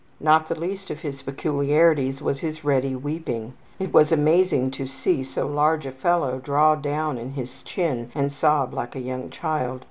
Not the least of his peculiarities was his ready weeping. It was amazing to see so large a fellow draw down his chin and sob like a young child.